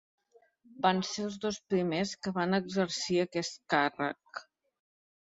Van ser els dos primers que van exercir aquest càrrec.